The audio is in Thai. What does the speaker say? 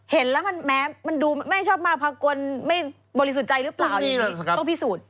เห็นแล้วมันแม้มันดูไม่ชอบมาพากลไม่บริสุทธิ์ใจหรือเปล่าอย่างนี้ต้องพิสูจน์